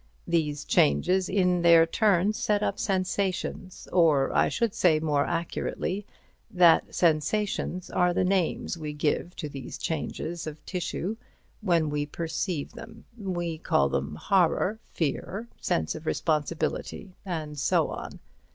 These changes in their turn set up sensations; or I should say, more accurately, that sensations are the names we give to these changes of tissue when we perceive them: we call them horror, fear, sense of responsibility and so on."